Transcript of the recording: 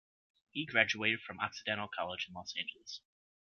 He graduated from Occidental College in Los Angeles.